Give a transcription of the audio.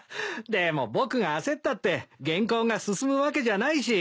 でも僕が焦ったって原稿が進むわけじゃないし。